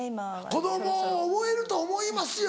子供覚えると思いますよ